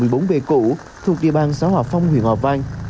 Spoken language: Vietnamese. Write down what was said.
bốn bề cũ thuộc địa bàn xã hòa phong huyện hòa vang